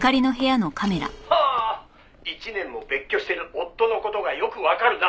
「ほう１年も別居してる夫の事がよくわかるな」